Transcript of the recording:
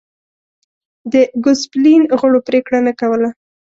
د ګوسپلین غړو پرېکړه نه کوله.